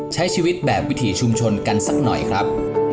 ใช้ชีวิตแบบวิถีชุมชนกันสักหน่อยครับ